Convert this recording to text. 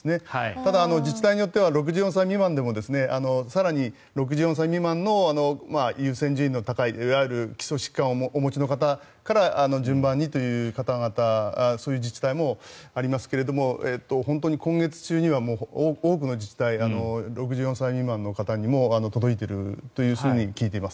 ただ、自治体によっては６４歳未満でも更に６４歳未満の優先順位の高いいわゆる基礎疾患をお持ちの方から順番にというそういう自治体もありますが本当に今月中には多くの自治体６４歳未満の方にも届いているというふうに聞いています。